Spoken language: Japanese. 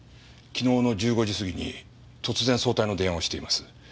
昨日の１５時過ぎに突然早退の電話をしています。